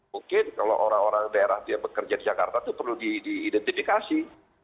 mungkin kalau orang orang daerah yang bekerja di jakarta itu perlu diidentifikasi